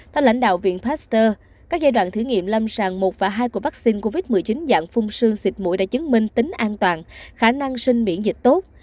theo lãnh đạo viện pasteur các giai đoạn thử nghiệm lâm sàng một và hai của vắc xin covid một mươi chín dạng phun sương xịt mũi đã chứng minh tính an toàn khả năng sinh miễn dịch tốt